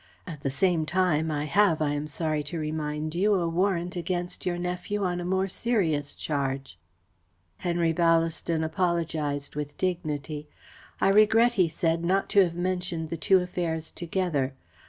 At the same time I have, I am sorry to remind you, a warrant against your nephew on a more serious charge." Henry Ballaston apologised with dignity. "I regret," he said, "not to have mentioned the two affairs together.